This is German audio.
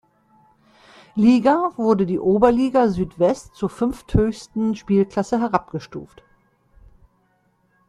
Liga wurde die Oberliga Südwest zur fünfthöchsten Spielklasse herabgestuft.